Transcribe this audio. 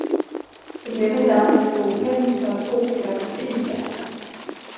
Det blev en dans i skogen, så att boklövet yrde.